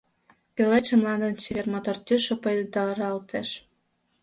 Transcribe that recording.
Пеледше мландын чевер мотор тӱсшӧ пойдаралтеш.